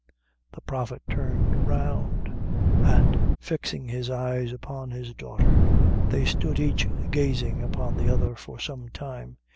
The Prophet turned round, and fixing his eyes upon his daughter, they stood each gazing upon the other for some time.